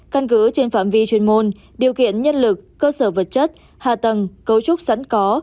căn cứ trên phạm vi chuyên môn điều kiện nhân lực cơ sở vật chất hạ tầng cấu trúc sẵn có